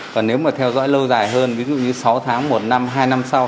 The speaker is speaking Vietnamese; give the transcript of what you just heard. và nếu mà theo dõi lâu dài hơn ví dụ như sáu tháng một năm hai năm sau